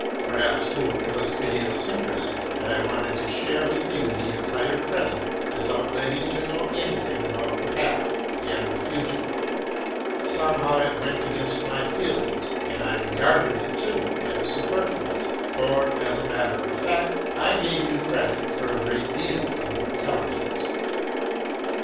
Perhaps too it was idiosyncrasy that I wanted to share with you the entire present, without letting you know anything about the past and the future. Somehow it went against my feelings, and I regarded it too as superfluous; for, as a matter of fact, I gave you credit for a great deal of intelligence.